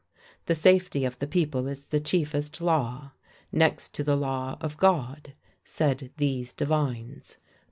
The safety of the people is the chiefest law. "Next to the law of God, said these divines.